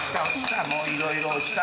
いろいろ落ちた。